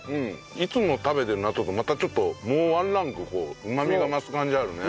いつも食べてる納豆とまたちょっともうワンランクうまみが増す感じあるね。